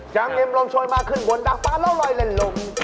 แยามเย็นลมช่วยมาขึ้นบนดักป่าแร่ลอยแหล่นลม